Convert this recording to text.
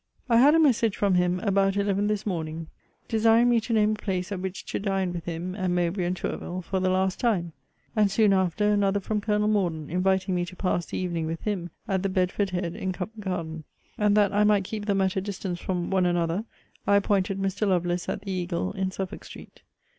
I had a message from him about eleven this morning, desiring me to name a place at which to dine with him, and Mowbray, and Tourville, for the last time: and soon after another from Colonel Morden, inviting me to pass the evening with him at the Bedford head in Covent Garden. And, that I might keep them at distance from one another, I appointed Mr. Lovelace at the Eagle in Suffolk street.